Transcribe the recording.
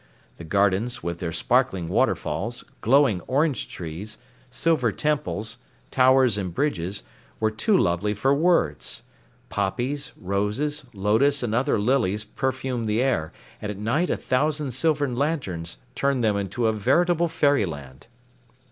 The gardens, with their sparkling waterfalls, glowing orange trees, silver temples, towers and bridges, were too lovely for words. Poppies, roses, lotus and other lilies perfumed the air, and at night a thousand silver lanterns turned them to a veritable fairyland.